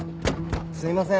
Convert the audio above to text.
すいません。